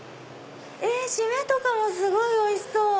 締めとかもすごいおいしそう！